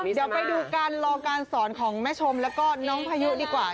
เดี๋ยวไปดูการรอการสอนของแม่ชมแล้วก็น้องพายุดีกว่า